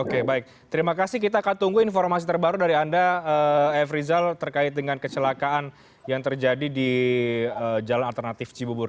oke baik terima kasih kita akan tunggu informasi terbaru dari anda f rizal terkait dengan kecelakaan yang terjadi di jalan alternatif cibubur